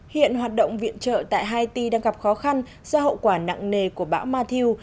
hiện hoạt động viện trợ tại haiti đang gặp khó khăn do hậu quả nặng nề của bão mathiu